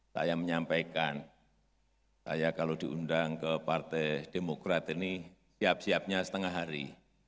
saya menyampaikan saya kalau diundang ke partai demokrat ini siap siapnya setengah hari